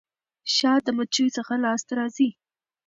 شات د مچيو څخه لاسته راځي.